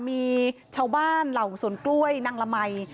มีชาวบ้านเหล่าสวนกล้วยนางละมัย